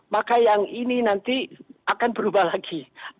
maka yang ini nanti akan berubah lagi